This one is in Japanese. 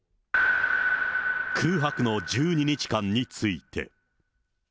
空白の１２日間について。